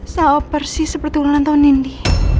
saya persis seperti ulang tahun nindi